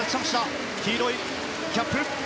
黄色いキャップ。